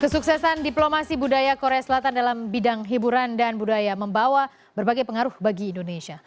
kesuksesan diplomasi budaya korea selatan dalam bidang hiburan dan budaya membawa berbagai pengaruh bagi indonesia